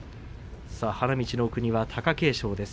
花道の奥には貴景勝です。